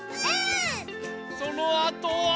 そのあとは。